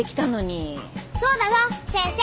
そうだぞ先生。